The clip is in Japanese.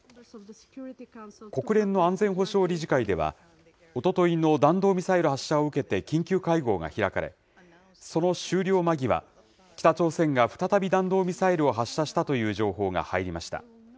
国連の安全保障理事会では、おとといの弾道ミサイル発射を受けて緊急会合が開かれ、その終了間際、北朝鮮が再び弾道ミサイルを発射したという情報が入りました。